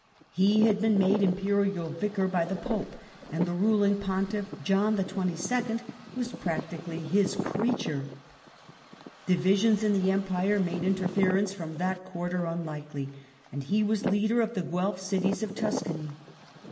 He had been made Imperial Vicar by the Pope and the ruling Pontiff, John XXII., was practically his creature. Divisions in the Empire made interference from that quarter unlikely, and he was leader of the Guelf cities of Tuscany.